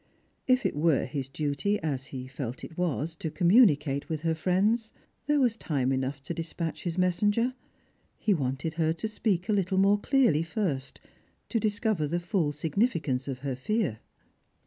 If it were his duty, as he felt it was, to communi cate with her friends, there was time enough to dispatch his messenger. He wanted her to speak a Uttle more clearly first, to discover the full significance of her fear.